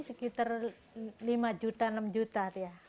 sekitar lima juta enam juta dia